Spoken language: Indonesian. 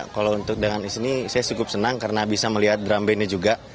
kalau untuk dengan di sini saya cukup senang karena bisa melihat drum bandnya juga